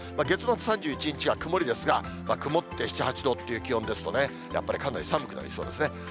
月末３１日が曇りですが、雲って７、８度という気温ですので、やっぱりかなり寒くなりそうですね。